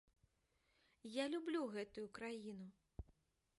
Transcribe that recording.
Я люблю гэтую краіну!